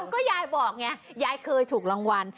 ก็ยายบอกไงยายเคยถูกรางวัล